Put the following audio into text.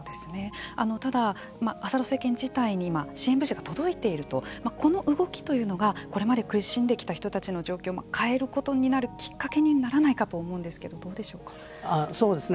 ただ、アサド政権自体に支援物資が届いているとこの動きというのがこれまで苦しんできた人たちの状況を変えることになるきっかけにならないかと思うんですけれどもそうですね。